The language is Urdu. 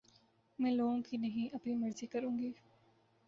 میں لوگوں کی نہیں اپنی مرضی کروں گی